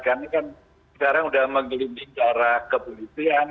karena ini kan sekarang sudah menggelinding cara kepolisian